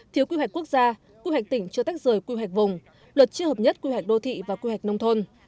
thiếu quy hoạch quốc gia quy hoạch tỉnh chưa tách rời quy hoạch vùng luật chưa hợp nhất quy hoạch đô thị và quy hoạch nông thôn